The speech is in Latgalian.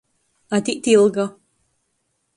Atīt Ilga.